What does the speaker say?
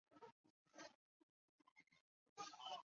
成为社会的一部分